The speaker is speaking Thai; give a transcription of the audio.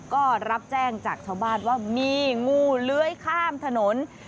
ก็รับแจ้งจากชาวบ้านว่ามีงูเลื้อยข้ามถนน